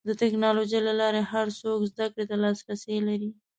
د ټکنالوجۍ له لارې هر څوک زدهکړې ته لاسرسی لري.